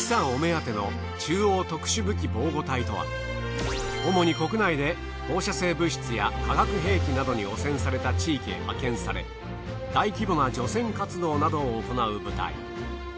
お目当ての主に国内で放射性物質や化学兵器などに汚染された地域へ派遣され大規模な除染活動などを行う部隊。